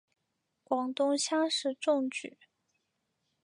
广东乡试中举。